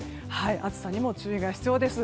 暑さにも注意が必要です。